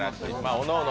おのおの